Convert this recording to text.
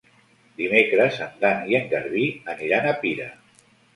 Dimecres en Dan i en Garbí aniran a Pira.